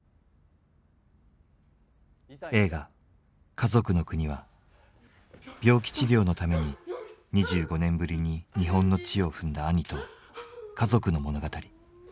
映画「かぞくのくに」は病気治療のために２５年ぶりに日本の地を踏んだ兄と家族の物語。